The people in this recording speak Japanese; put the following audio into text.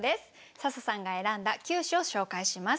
笹さんが選んだ９首を紹介します。